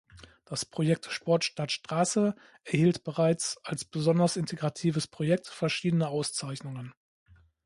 Das Projekt „Sport statt Straße“ erhielt bereits, als besonders integratives Projekt, verschiedene Auszeichnungen.